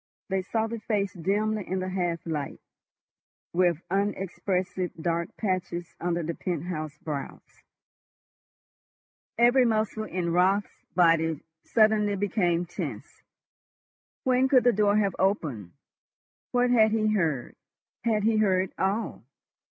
They saw the face dimly in the half light, with unexpressive dark patches under the penthouse brows. Every muscle in Raut's body suddenly became tense. When could the door have opened? What had he heard? Had he heard all?